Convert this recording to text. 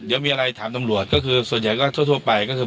เดี๋ยวมีอะไรถามตำรวจก็คือส่วนใหญ่ก็ทั่วไปก็คือ